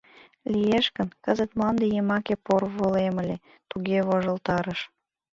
Лиеш гын, кызыт мланде йымаке порволем ыле, туге вожылтарыш.